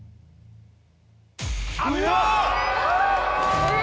あった！